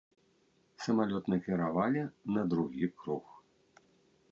Самалёт накіравалі на другі круг.